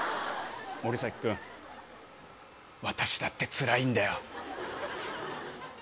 モリサキ君私だってつらいんだよ